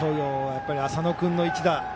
やっぱり浅野君の一打